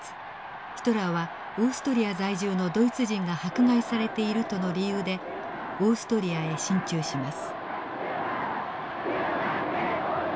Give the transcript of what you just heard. ヒトラーはオーストリア在住のドイツ人が迫害されているとの理由でオーストリアへ進駐します。